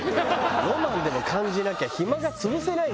ロマンでも感じなきゃ暇が潰せないよ！